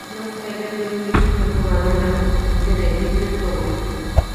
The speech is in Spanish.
Más tarde, puede unirse con el jugador en la competencia de la Battle Tower.